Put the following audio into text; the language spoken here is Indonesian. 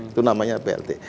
itu namanya plt